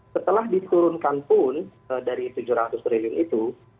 setelah diturunkan pun dari rp tujuh ratus triliun itu